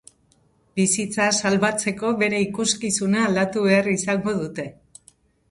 Bizitza salbatzeko bere ikuskizuna aldatu behar izango dute.